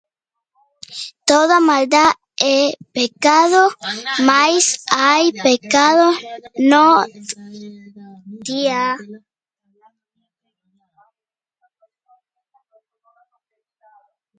Toda maldad es pecado; mas hay pecado no de muerte.